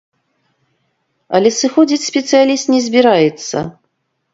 Але сыходзіць спецыяліст не збіраецца.